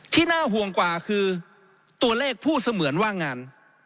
น่าห่วงกว่าคือตัวเลขผู้เสมือนว่างงาน